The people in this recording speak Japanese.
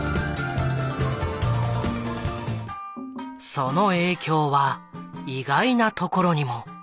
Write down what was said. その影響は意外なところにも。